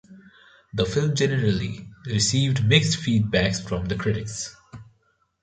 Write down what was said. The film generally received mixed feedback from the critics.